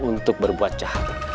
untuk berbuat jahat